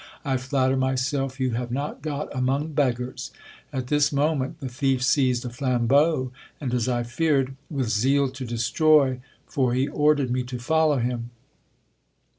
I flatter myself you have not got among beggars. At this moment the thief seized a flambeau ; and as I feared, "with zeal to destroy ;" for he ordered me to follow him.